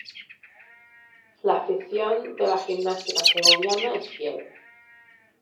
La afición de la Gimnástica Segoviana es fiel.